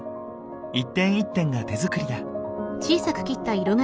一点一点が手作りだ。